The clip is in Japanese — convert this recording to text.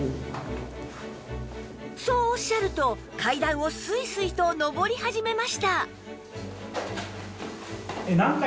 そうおっしゃると階段をスイスイと上り始めました